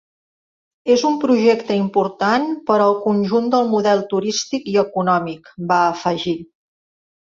És un projecte important per al conjunt del model turístic i econòmic, va afegir.